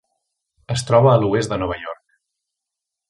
Es troba a l'Oest de Nova York.